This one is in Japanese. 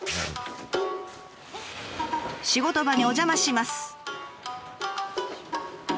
仕事場にお邪魔します。